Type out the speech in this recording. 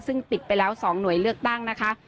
ซึ่งปิดไปแล้ว๒หน่วยเลือกตั้งนะคะ